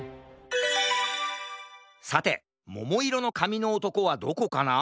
さてももいろのかみのおとこはどこかな？